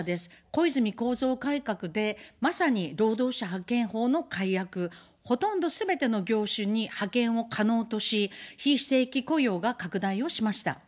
小泉構造改革で、まさに労働者派遣法の改悪、ほとんどすべての業種に派遣を可能とし、非正規雇用が拡大をしました。